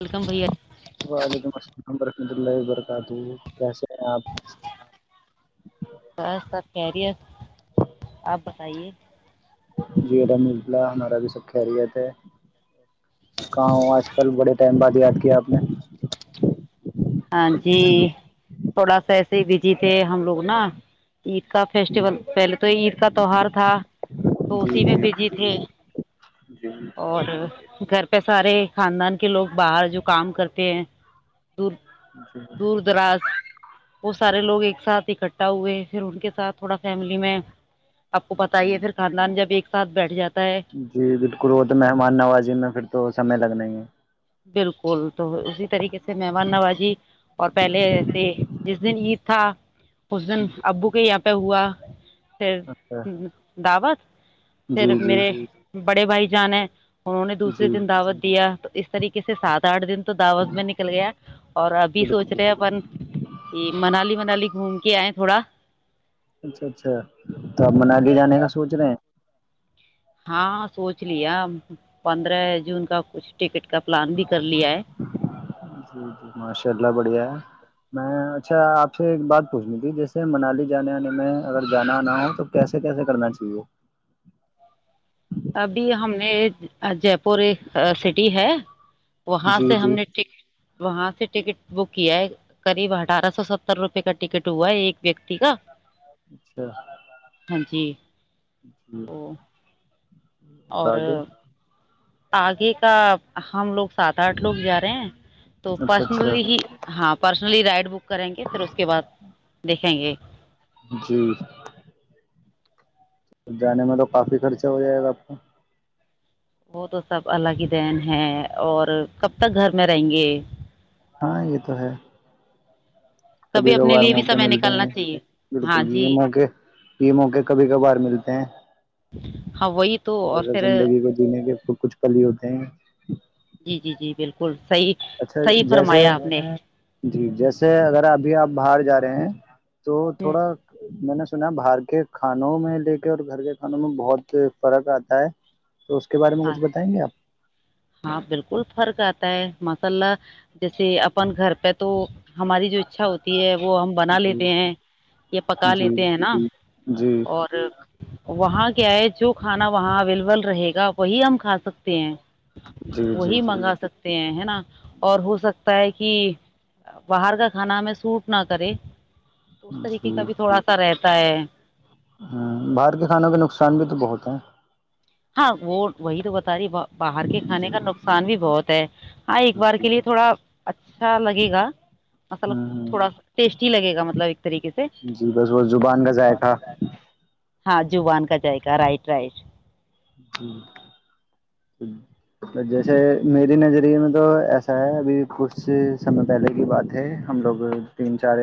ولکم بر وعلیکم السلام ورحمۃ اللہ وبرکاتہ کیسے آپ بس سب کہہ رہی آپ بتائیے جید اپلہ آناا بھی سکتا خریت ہے کہاؤ آج کل بڑے ٹائم بعد یاد کیا کیا آپ نے ہاں جی تھوڑا سا ایسے ہی بزی تھے ہم لوگ نا کا جی جی فیسٹیول پہلے تو عید کا تہوار تھا تو جی اسی میں بجی تھے جی جی اور گھر پہ سارے خاندان کے لوگ باہر جو کام کرتے ہیں دور دور دراز وہ سارے لوگ ایک ساتھ اکٹھا ہوئے پھر ان کے ساتھ تھوڑا فیملی میں آپ کو پتاہ ہی جی ہے پھر خاندان جب ایک ساتھ بیٹھ جاتا ہے جی بالکل وہ تو مہمان نوازی میں پھر تو سمے لگنا ہے بالکل تو اسی طریقے سے مہمان نوازی اور پہلے ایسے جس دن عید تھا اس دن جی ابو کے ہی آپ پہا ہ اچھا دعوت جی پھر جی میرے بڑے بھائی جان ہے انہوں نے دوسے جی دن دعوت دیا اس طریقے سے سات اٹھ دن دعوت میں نکل گیا اور ابھی بالکل سوچ رہے بالکل ہیں منالی منالی گھوم کیا آ ہے تھوڑا اچھا اچھا بنا کے جانے کا سوچ رہے ہیں ہاں سوچ لیا جون کا کچھ ٹکٹ کا پلان بھی کر لیا ہے جی ماشاءاللہ بڑھیا ہے میں اچھا اپ سے ایک بات پوچھنی تھی جیسے منالی جانے میں اگر جانا نہ ہو تو کیسے کیسے کرنا چاہیے ابھی ہم نے جے پور سٹی رٹی ہے وہاں جی سے ہم جی نے ٹیک وہاں سے ٹکٹ بک کیا ہے قریب اٹھارہ سو ستر روپے کا ٹکٹ ہوا ہے ایک ویکتی کا اچھا ہاں جی جی تو [unintelligible] اور [unintelligible] آگے کا ہم لوگ سات آٹھ لوگ جا رہے ہیں تو اچھا اچھا پرسنلی ہی ہاں پرس لی رائڈ بک [unintelligible] کریں گے پھر اس کے بعد دیکھیں گے جی [unintelligible] جانے میں تو کافی خرچہ ہو جائے گا آپ کو وہ تو سب الگ ہی دین ہے اور کب تک گھر میں رہیں گے ہاں یہ تو ہے کبھی اپنے کبھار لیے بھی موقع سمے ملتے نکالنا ہیں چاہیے ہاں بالکل جی یہ موقع یہ موقع کبھی کبھار ملتے ہوں ہاں وہی تو تھوڑا اور سا پھر زندگی کو جینے کے کچھ پلی ہی ہوتے ہیں کل [unintelligible] صحیح اچھا صحیح جیسے فرمایا آپ نے جی جیسے اگر ابھی آپ باہر جا رہے ہیں تو تھوڑا میں نے [unintelligible] سنا باہر کے کھانوں میں لے کے اور گھر کے کھانوں میں بہت فرق آتا ہے تو اس کے بارے میں ہاں کچھ بتائیں گے آپ [unintelligible] ہاں بالکل فرق آتا ہے مس اللہ جیسے اپن گھر پہ تو ہماری جو اچھا ہوتی ہے وہ ہم بنا جی لیتے ہیں یا پکا جی لیتے ہیں نا جی اور وہاں کیا ہے جو کھانا وہاں اویلیبل رہے گا وہی ہم کھاے سکتے ہیں جی جی وہی جی منگا سکتے ہیں ہے نا اور ہو سکتا لگتا ہے کہ باہر کا کھانا ہمیں سوٹ نہ کرے تو اس طریقے کا بھی تھوڑا سا رہتا س ہے [unintelligible] ہ باہر کے کھانوں کے نقصان بھی تو بہت ہیں ہاں وہ وہی تو بت رہ ب باہر کے جی کھانے کا نقصان بھی بہت ہے ہاں ایک بار جی کے لیے تھوڑا اچھا لگے گا ہ مسل ہ تھوڑا ٹیسٹی لگے گا مطلب ایک طریقے سے جی بس وہ زبان کا ذائقہ ہاں جوبان کا جائے گا رائٹ رائٹ ج جیسے میری نظریے میں تو ایسا ہے ابھی کچھ سمے پہلے کی بات ہے ہم لوگ تین چار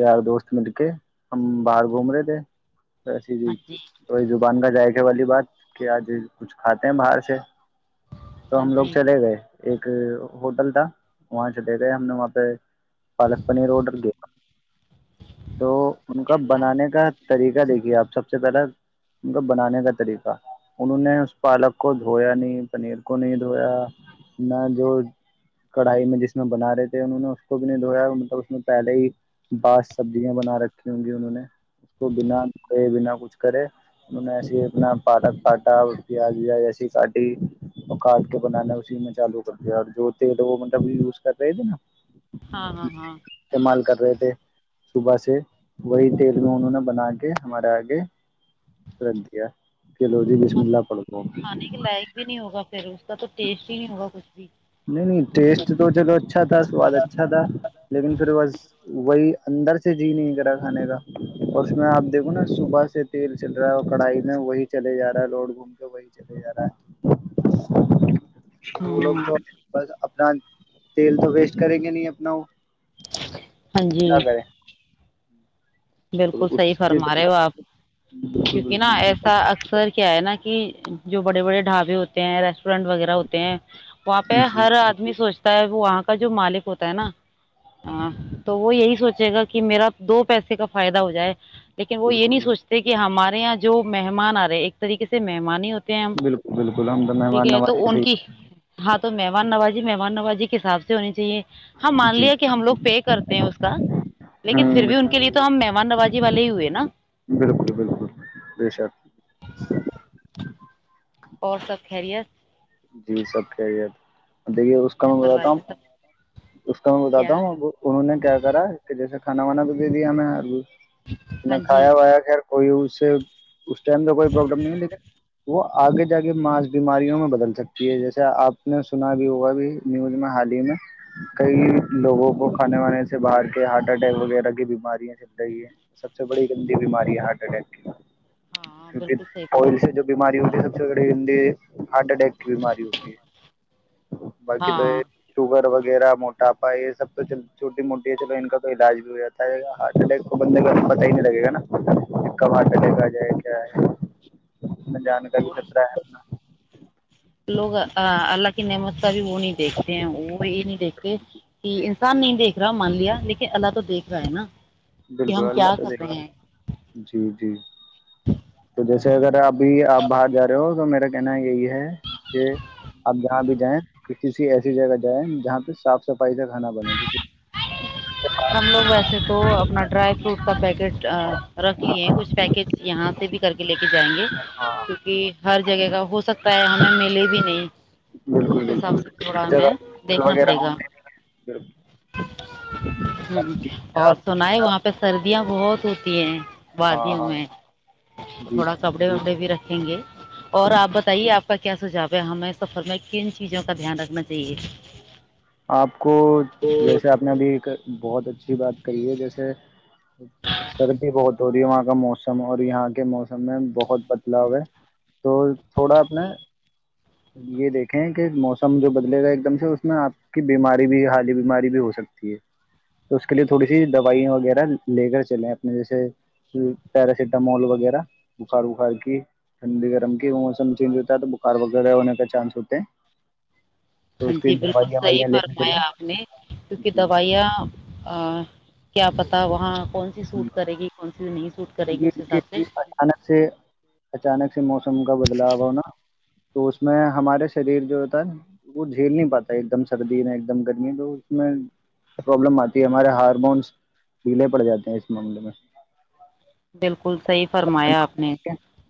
یار دوست مل کے ہم باہر گھوم رہے تھے وسی جی کو زبان کا جائے گا والی بات کہ آج کچھ کھاتے ہیں باہر سے تو ہاں ہم لوگ جی چلے گئے ایک ہوٹل تھا وہاں چلے گئے ہم نے وہاں پہ پالپنی روڈر گ تو ان کا اللہ بنانے کا طریقہ دیکھیے آپ سب سے پہلے مطب بنانے کا طریقہ انہوں نے اس پالک کو دھویا نہیں پنیر کو نہیں دھویا نہ جو کڑھائی میں جس میں بنا رہے تھے انہوں نے اس کو بھی نہیں دھویا مطلب اس میں پہلے ہی بس سبزیاں بنا رکھی ہوں گی انہوں نے اس کو بناے بنا کچھ کرے انہوں نے ایے اپنا پٹ پاٹا پیاز ویاز ایسی کاٹی اور کاٹ کے بنانا اسی میں چالو کر دیا اور جو تیل ہے وہ مطلب یوز کر رہی تھی نا ہاں ہاں ہاں ا تھ صبح سے وہی تیل کو انہوں نے بنا کے ہمارے آگے رکھ دیا چلو ج بسم اللہ پڑتا ا تو ٹیسٹ ہی نہیں ہوگا کچھ بھی نہیں نہیں ٹیسٹ تو چلو اچھا تھا سواد اچھا تھا لیکن پھر بس کو اندر سے جی نہیں کرا کھانے کا اس میں آپ دیکھو نا صبح سے تیل چل رہا ہے اور کڑھائی میں وہی چلے جا رہا ہے لوڈ گھوم کے وہی چلے جا رہا ہے وہ لوگ ہوں تو بس اپنا تیل تو ویسٹ کریں گے نہیں اپنا وہ ہاں جی ہوں بالکل صحیح فرما رہے ہو آپ بالکل کیونکہ نا ایسا اکثر کیا ہے نا کہ جو بڑے بڑے ڈھابے ہوتے ہیں ریسٹورینٹ وغیرہ ہوتے ہیں وہاں پہ بالکل جی ہر آدمی سوچتا وہ وہاں کا جو مالک ہوتا ہے نا تو وہ یہی سوچے گا کہ میرا دو پیسے کا فائدہ ہو جائے لیکن وہ یہ نہیں بالکل سوچتے کہ ہمارے جو مہمان آ رہے ہیں ایک طریقے سے مہمان ہی ہوتے ہیں ہم بالکل بالکل ہم تو مہمان ٹھیک ہے تو نوازی سے ان ہی کی ہاں تو مہمان نوازی مہمان نوازی کے حساب سے ہونی چاہیے ہماں ہی مان جی لیا کہ ہم لوگ پے کرتے ہیں اس کا لیکن ہوں پھر بھی ان کے لیے تو تو ہم مہمان نوازی والے ہی ہوئے نا بالکل بالکل بے شک اور سب خیریت جی سب خیریت دیکھیے اس کا گھر میں بتاتا پریوار ہوں سب اس کا میں بتاتا کیا ہوں انہوں نے کیا کرا کہ جیسے کھانا وانا تو دے د آیں نہ ہاں جی کھیا وایا خار کوئی ا تو اس ٹائم میں کوئی پرابلم نہیں ہے لیکن وہ آگے جا کے ماس بیماریوں میں بدل سکتی ہے جیسے آپ نے سنا بھی ہوا بھی نیوز میں حال ہی میں کئی لوگوں کو کھانے وانے سے باہر کے ہارٹ اٹیک وغیرہ کی بیماریاں چل رہی ہے سب سے بڑی گندی بیماری ہے ہارٹ اٹیک کی ہاں کیونکہ بالکل صحیح آ ئل بتایا سے جو صحیح بیماری ہوتی فرمایا ہے سب سے بڑی گندی ہارٹ اٹیک کی بیماری ہوتی ہے باقی تو یہ ہاں شوگر و جڑا موٹاپا یہ سب تو چھوٹی موٹی ہے چلو ان کا تو علاج بھی ہو جاتا ہے ہارٹ اٹیک تو بندے کا پت ہی نہیں لگے گا نا کہ کب ہارٹ اٹیک آ جائے کیا ہے نا جانے کا بھی خطرہ ہے اپنا لوگ اللہ کی نعمت کا بھی وہ نہیں دیکھتے ہیں وہ یہ نہیں دیکھتے کہ انسان نہیں دیکھ رہا مان لیا لیکن اللہ تو دیکھ رہا ہے نا کہ بالکل ہم اللہ کیا کر رہے دکتا ہیں جی جی تو جیسے اگر آپ بھی آپ باہر جا رہے ہو تو میرا کہنا یہی ہے کہ آپ جہاں بھی جائیں ک کسی ایسی جگہ جائیں جہاں پہ صاف سفائی پائید کھانا بنائیں گے ہم لوگ ویسے تو اپنا ڈرائی فروٹ کا پیکٹ رکھ لیے کچھ پیکٹ یہاں بھی کر کے لے کے [unintelligible] جائیں گے ہاں کیونکہ ہر جگہ کا ہو سکتا ہے ہمیں ملے بھی نہیں تو بالکل اس حساب بالکل سے تھوڑا ہمیں جگہ دیکھنا پڑے وغیرہ ہو گا ہ اور سنا ہے وہاں پہ سردی یاں بہت ہوتی ہیں ہاں وادیوں ہاں میں جی تھوڑا کپڑے وپڑے بھی رکھیں گے اور آپ بتائیے آپ کا کیا سجھاؤ ہے ہمیں سفر میں کن چیزوں کا دھیان رکھنا چاہیے آپ کو جیسے آپ نے ابھی بہت اچھی بات کریے جیسے سردی بہت دوری وہاں کا موسم اور یہاں کے موسم میں بہت بدلاؤ ہے تو تھوڑا اپ نے جی یہ دیکھیں کہ موسم جو بدلے گا ہے ایک دم سے اس میں آپ کی بیماری بھی حالی بیماری بھی ہو سکتی ہے تو اس کے لیے تھوڑی سی دوائ وغیرہ لے کر چلیں اپنے جیسے پیراسیٹامول وغیرہ بخار وخار کی ٹھنڈی گرم کی موسم چینج ہوتا ہے تو بخار وغیرہ ہونے کا چانس ہوتے ہیں تو ہاں اس کی جی بلکل دوائیاں صحی وائیاں لے کے فرمایا آپ نے کیونکہ چلیں دوائیاں ا کیا پتا وہاں کون سی سوٹ کرے گی کون سی نہیں سوٹ کرے ہمم گی اس جی حساب سے انس سے اچانک سے موسم کا بدلاؤ ہونا تو اس میں ہمارے شریر جو ہوتا ہے وہ جھیل نہیں پاتا ایک دم سردی میں ایک دم گرمی تو اس میں پرابلم آتی ہے ہمارے ہارمونس ڈھیلے پڑ جاتے ہیں اس ماملے میں بل کل صحی فرمایا آپ نے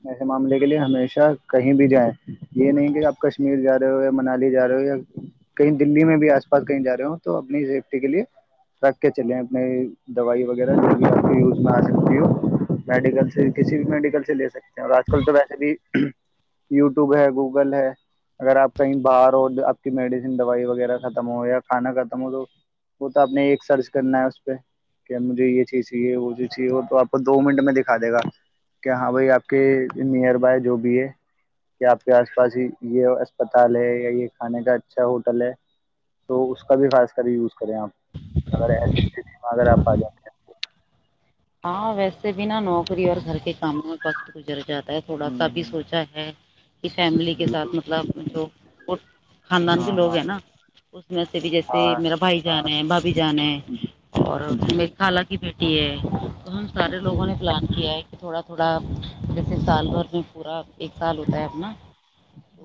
ایسے معاملے کے لیے ہمیشہ کہیں بھی جائیں یہ نہیں کہ آپ کشمیر جا رہے ہو یا منالی جا رہے ہو یا کہیں دللی میں بھی آس پاس کہیں جا رہے ہو تو اپنی سیفٹی کے لیے رکھ کے چلیں اپنے دوائی وغیرہ جو بھی آپ کے یوز میں آ سکتی ہو میڈیکل پھر کسی بھی میڈیکل سے لے سکتے ہیں اور آج کل تو ویسے بھی یوٹیوب ہے گوگل ہے اگر آپ کہیں باہر ہو آپ کی میڈیسن دوائی وغیرہ ختم ہو یا کھانا ختم ہو تو وہ تو آپ نے ایک سرچ کرنا ہے اس پہ کہ مجھے یہ چیز چاہیے وہ چیز چاہیے ہو تو آپ کو دو منٹ میں دکھا دے گا کہ ہاں بھائی آپ کے نیئر بائے جو بھی ہے کہ آپ کے آس پاس یہ اسپتال ہے یا یہ کھانے کا اچھا ہوٹل ہے تو اس کا بھی خاص کر یوز کریں آپ اگر ایسی اس میں اگر آپ آ جاتے ہیں ہاں ویسے بھی نا نوکری اور گھر کے کاموں میں وقت گزر جاتا ہے تھوڑا سا بھی ہ سوچا ہے کہ فیملی کے بالکل ساتھ مطلب جو خاندان کے ہاں لوگ ہاں ہیں نا اس میں سے بھی جیسے ہاں میرا بھائی جانا ہے بھبھی جانا ہے اور جی می خالہ کی بیٹی [unintelligible] تو ہم سارے لوگوں جی نے پلان کیا ہے تھوڑا تھوڑا جیسے سال بھر میں پورا ایک سال ہوتا ہے اپنا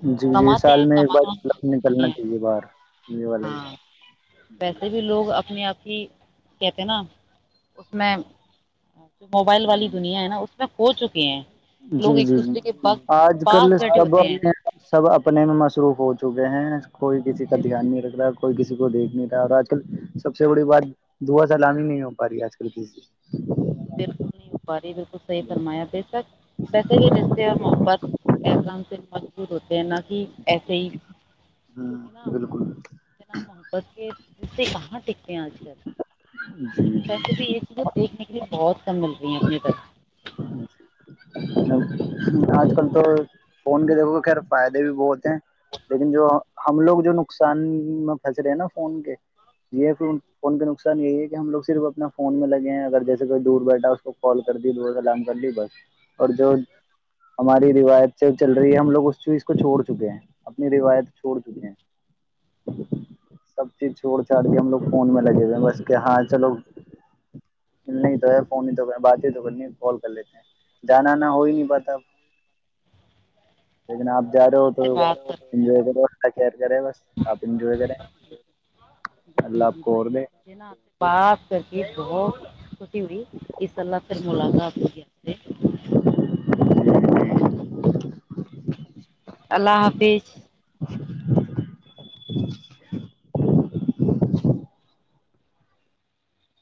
جی جی کماتے سال ہیں میں ایک بار کمات کلب نکلنا چاہیے باہر یہ والا ہی ہاں ویسے بھی لوگ میں آپ کی کہتے ہیں نا اس میں [inaudible] جو موبائل والی جی دنیا ہے نا میں کھو چکی ہیں جی لوگ ایک جی جی دوسرے کے پاس آج کل پاس بیٹھے سب ہوتے ہیں اپنے سب اپنے میں مصروف ہو چک چونکہ ہیں کوئی کسی کا دھیان نہیں رکھرہا کوئی کسی کو دیکھ نہیں رہا اور آج کل سب سے بڑی بات دعا سلامی نہیں ہو پا رہی ہے آج کل کسی سے بلکل نہیں ہو پا رہی بلکل صحی فرمایا دے سک ویسے ہی رشتے اور محبت انسان سے مجبور ہوتا ہے نا کہ ایسے ہی کیونکہ ہ نا بالکل ن محبت کے رستے کہاں ٹکتے ہیں آج کل جی تو جی ویسے بھی یہ ب [inaudible] بہت کم مل رہی ہیں اپنی تک آج کل تو فون کے دیکھو خیر فائدے بھی بہت ہیں لیکن جو ہم لوگ جو نقصان میں پھنس رہے ہیں نا فون کے یہ پ فون کے نقصان یہی ہے کہ ہم لوگ صرف اپنا فون میں لگے ہیں اگر جیسے کوئی دور بیٹھا اس کو کال کر دی دورلام کر لی بس اور جو ہماری روایت سے چل رہی ہے ہم لوگ اس چیز کو چھوڑ چکے ہیں اپنی روایت چھوڑ چکے ہیں سب چیز چھوڑ چھاڑ کے ہم لوگ فون میں لگے ہوئے ہیں بس کہ ہاں چلو ملنا ہی تو ہے فون ہی تو بات ہی تو کرنی کال کر لیتے ہیں جانا نہ ہو ہی نہیں پ سب مجھے نہ آ کرو اللہ کیئر کرے بس آپ انجوائے کریں جی اللہ جی آپ جی کو بھائی اور دے مجھے نہ آ پات کر کے بہت خش ہوئی اس س پھر ملاقات ہوگی اللہ حافظ